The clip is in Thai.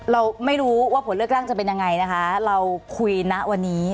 เราไม่รู้ว่าผลเลือกตั้งจะเป็นยังไงนะคะเราคุยณวันนี้